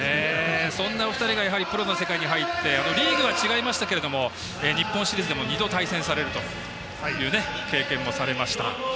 そんなお二人がプロの世界に入ってリーグは違いましたけど日本シリーズでも２度対戦されるという経験もされました。